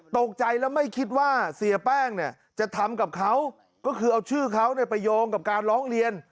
ตกใจแล้วไม่คิดว่าเสียแป้งเนี่ยจะทำกับเขาก็คือเอาชื่อเขาไปโยงกับการร้องเรียน